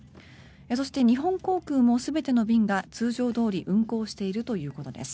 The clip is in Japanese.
そして、日本航空も全ての便が通常どおり運航しているということです。